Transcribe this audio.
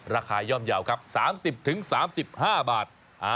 ราคาย่อมเยาะครับ๓๐๓๕บาท